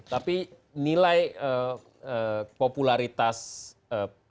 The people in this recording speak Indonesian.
tapi nilai popularitas pasangan ajat survei dan pemerintahnya itu apa